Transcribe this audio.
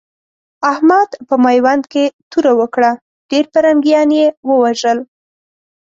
احمد په ميوند کې توره وکړه؛ ډېر پرنګيان يې ووژل.